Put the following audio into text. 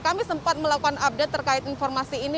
kami sempat melakukan update terkait informasi ini